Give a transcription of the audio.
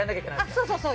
そうそう。